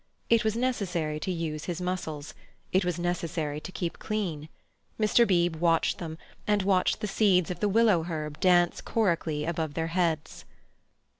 It was necessary to use his muscles. It was necessary to keep clean. Mr. Beebe watched them, and watched the seeds of the willow herb dance chorically above their heads.